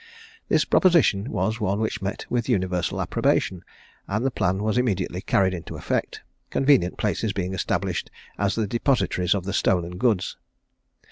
This proposition was one which met with universal approbation, and the plan was immediately carried into effect, convenient places being established as the depositaries of the stolen goods.